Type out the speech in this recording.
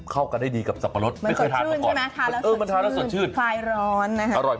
ข้างบัวแห่งสันยินดีต้อนรับทุกท่านนะครับ